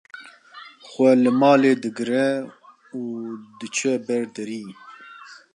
xwe li malê digire û diçe ber derî